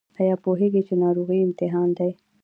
ایا پوهیږئ چې ناروغي امتحان دی؟